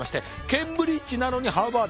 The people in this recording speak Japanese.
ケンブリッジなのにハーバード。